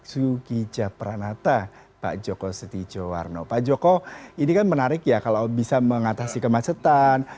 sujika peranata pak joko setijo warno pak joko ini kan menarik ya kalau bisa mengatasi kemacetan